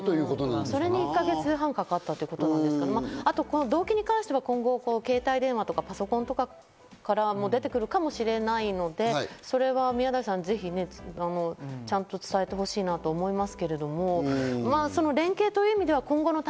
それに１か月半かかったということなんですけど、動機に関しては今後、携帯電話とかパソコンからも出てくるかもしれないので、それは宮台さん、ぜひちゃんと宮台さんにちゃんと伝えてほしいなと思います。